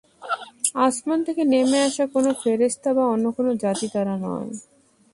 আসমান থেকে নেমে আসা কোন ফেরেশতা বা অন্য কোন জাতি তারা নয়।